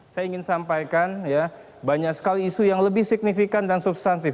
saya ingin sampaikan banyak sekali isu yang lebih signifikan dan substantif